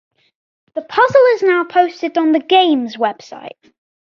This puzzle is now posted on the "Games" website.